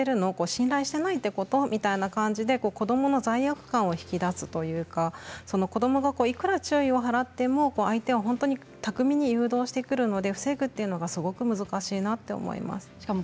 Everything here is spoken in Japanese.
信頼していないの？ということで子どもの罪悪を引き出すというか子どもがいくら注意を払っても相手は本当に巧みに誘導してくるので防ぐということが難しいなと思います。